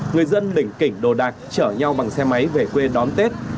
người dân lình kỉnh đồ đạc chở nhau bằng xe máy về quê đón tết